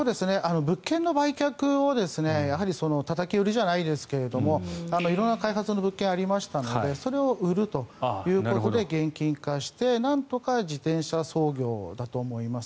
物件の売却をたたき売りじゃないですが色んな開発の物件がありましたのでそれを売るということで現金化してなんとか自転車操業だと思います。